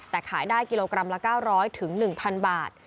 แต่ขายได้กิโลกรัมละ๙๐๐๑๐๐บาท